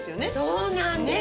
そうなんですよ。